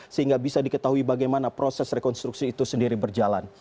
sehingga bisa diketahui bagaimana proses rekonstruksi itu sendiri berjalan